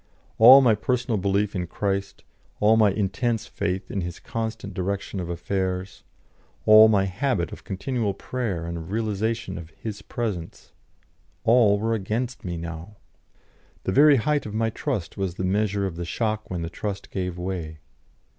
All my personal belief in Christ, all my intense faith in His constant direction of affairs, all my habit of continual prayer and of realisation of His Presence all were against me now. The very height of my trust was the measure of the shock when the trust gave way.